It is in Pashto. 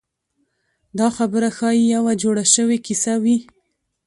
دا خبره ښایي یوه جوړه شوې کیسه وي.